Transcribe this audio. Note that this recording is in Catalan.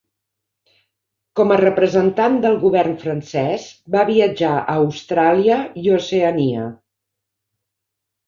Com a representant del govern francès, va viatjar a Austràlia i Oceania.